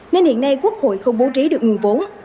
nên hiện nay quốc hội không bố trí được nguồn vốn